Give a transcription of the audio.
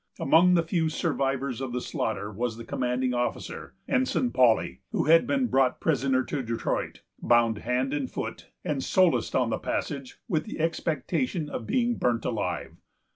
Among the few survivors of the slaughter was the commanding officer, Ensign Paully, who had been brought prisoner to Detroit, bound hand and foot, and solaced on the passage with the expectation of being burnt alive.